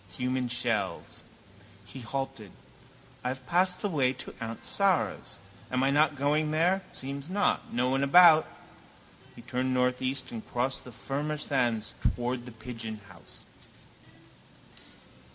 Human shells. He halted. I have passed the way to aunt Sara's. Am I not going there? Seems not. No one about. He turned northeast and crossed the firmer sand towards the Pigeonhouse.